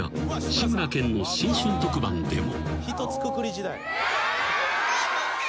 志村けんの新春特番でも］